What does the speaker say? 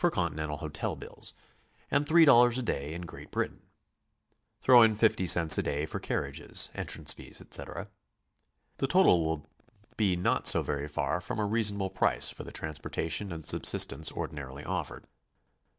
179 Continental hotel bills, and $3 a day in Great Britain; throw in 50 cents a day for carriages, entrance fees, etc. The total will be not so very far from a reasonable price for the trans portation and subsistence ordinarily offered.